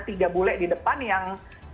tiga bule di depan yang